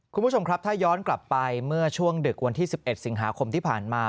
คุณผู้ชมครับถ้าย้อนกลับไปเมื่อช่วงดึกวันที่๑๑สิงหาคมที่ผ่านมา